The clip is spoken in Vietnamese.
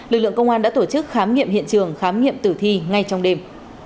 lực lượng công an đã tổ chức khám nghiệm hiện trường khám nghiệm tử thi ngay trong đêm